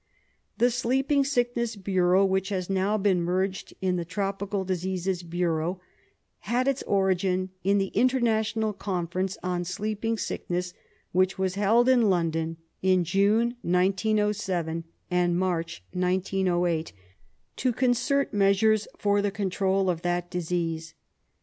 The Sleeping Sickness Bureau, which has now been merged in the Tropical Diseases Bureau, had its origin in the International Conference on Sleeping Sickness, which was held in London in June, 1907, and March, 1908, to concert measures for the control of that disease.